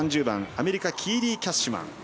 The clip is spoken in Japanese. ３０番アメリカのキーリー・キャッシュマン。